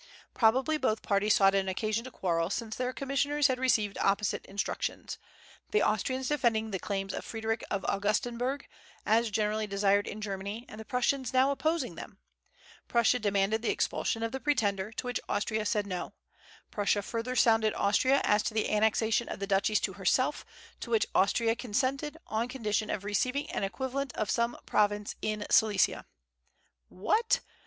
Probably both parties sought an occasion to quarrel, since their commissioners had received opposite instructions, the Austrians defending the claims of Frederick of Augustenburg, as generally desired in Germany, and the Prussians now opposing them. Prussia demanded the expulsion of the pretender; to which Austria said no. Prussia further sounded Austria as to the annexation of the duchies to herself, to which Austria consented, on condition of receiving an equivalent of some province in Silesia. "What!"